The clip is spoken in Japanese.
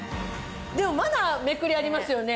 でもまだめくりありますよね？